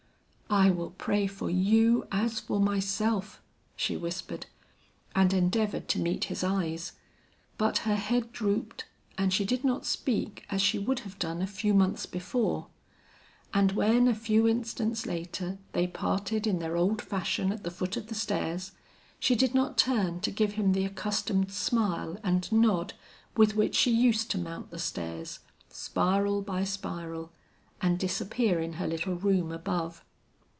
"I will pray for you as for myself," she whispered, and endeavored to meet his eyes. But her head drooped and she did not speak as she would have done a few months before; and when a few instants later they parted in their old fashion at the foot of the stairs, she did not turn to give him the accustomed smile and nod with which she used to mount the stairs, spiral by spiral, and disappear in her little room above.